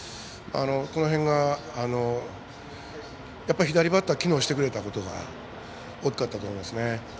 この辺がやっぱり左バッター機能してくれたことが大きかったと思います。